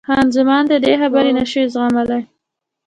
خان زمان د ده خبرې نه شوای زغملای.